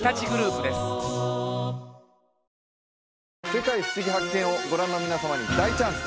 「世界ふしぎ発見！」をご覧の皆様に大チャンス！